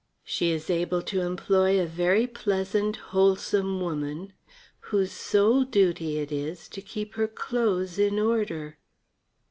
She is able to employ a very pleasant, wholesome woman, whose sole duty it is to keep her clothes in order.